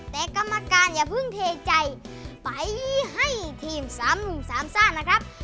แต่กรรมการอย่าเพิ่งเทใจไปให้ทีมซ้ำสามซ่านนะครับ